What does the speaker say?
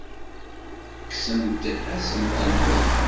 Kksent-asent-tent.